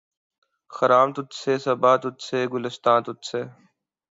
خرام تجھ سے‘ صبا تجھ سے‘ گلستاں تجھ سے